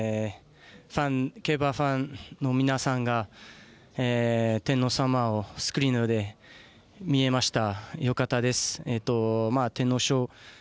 競馬ファンの皆さんが天皇さまをスクリーンで見えました。